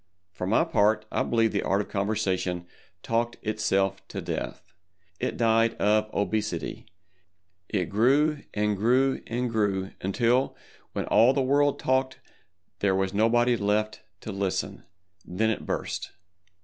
For my part, I believe the Art of Conversation talked itself to death. It died of obesity—it grew and grew and grew until, when all the world talked there was nobody left to listen. Then it burst.